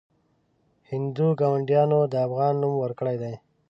هندو ګاونډیانو د افغان نوم ورکړی دی.